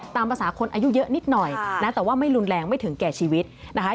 ตามภาษาคนอายุเยอะนิดหน่อยนะแต่ว่าไม่รุนแรงไม่ถึงแก่ชีวิตนะคะ